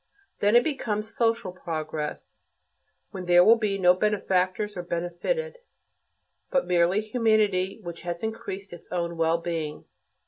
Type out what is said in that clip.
Then it becomes "social progress," when there will be no benefactors or benefited, but merely humanity which has increased its own well being.